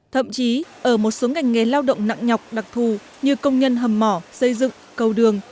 thậm chí ở một số ngành nghề lao động nặng nhọc đặc thù như công nhân hầm mỏ xây dựng cầu đường